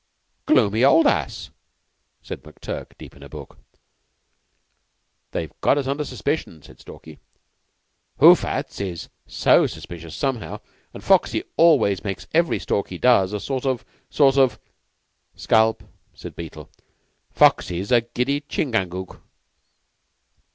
"Gloomy old ass!" said McTurk, deep in a book. "They've got us under suspicion," said Stalky. "Hoophats is so suspicious somehow; and Foxy always makes every stalk he does a sort of sort of " "Scalp," said Beetle. "Foxy's a giddy Chingangook."